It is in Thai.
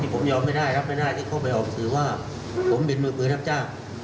ผมยอมไม่ได้รับไม่ได้เขาไปถือว่าผมเป็นมือเบิดครับเจ้า